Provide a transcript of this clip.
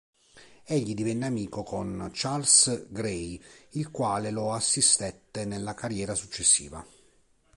Egli divenne amico con Charles Grey il quale lo assistette nella carriera successiva.